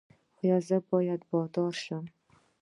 ایا زه باید بادار شم؟